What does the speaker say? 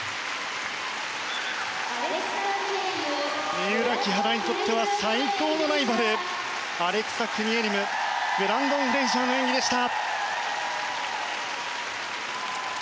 三浦、木原にとっては最高のライバルアレクサ・クニエリムブランドン・フレイジャーの演技でした。